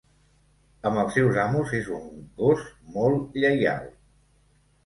Amb els seus amos és un gos molt lleial.